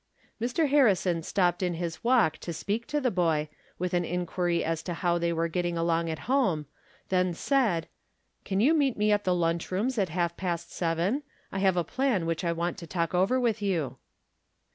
Mr. Harrison stopped in Ms walk to speak to the boy, with an enquiry as to how they were getting along at home, then said :" Can you meet me at the lunch rooms at half past seven ? I have a plan which I want to talk over with you."